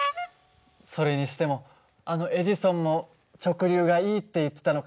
それにしてもあのエジソンも直流がいいって言ってたのか。